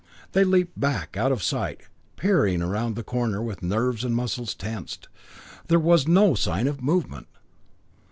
They leaped back, out of sight, peering around the corner with nerves and muscles tensed. There was no sign of movement.